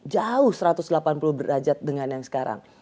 jauh satu ratus delapan puluh derajat dengan yang sekarang